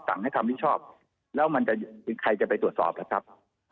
สั่งให้คำวิชอบแล้วมันจะใครจะไปตรวจสอบล่ะครับ